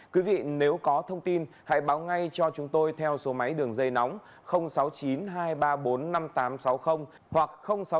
quý vị nếu có thông tin hãy báo ngay cho chúng tôi theo số máy đường dây nóng sáu mươi chín hai trăm ba mươi bốn năm nghìn tám trăm sáu mươi hoặc sáu mươi chín hai trăm ba mươi hai một nghìn sáu trăm bảy